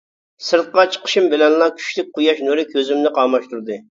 سىرتقا چىقىشىم بىلەنلا كۈچلۈك قۇياش نۇرى كۆزۈمنى قاماشتۇردى.